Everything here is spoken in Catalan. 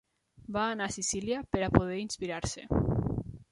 Va anar a Sicília per a poder inspirar-se.